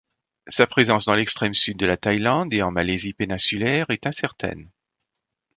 Sa présence dans l'extrême Sud de la Thaïlande et en Malaisie péninsulaire est incertaine.